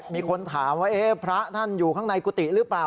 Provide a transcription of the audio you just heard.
มีคนถามว่าพระท่านอยู่ข้างในกุฏิหรือเปล่า